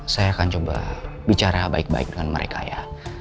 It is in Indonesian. saya akan coba bicara baik baik dengan mereka ya